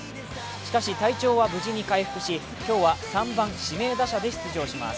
しかし、体調は無事に回復し、今日は３番・指名打者で出場します。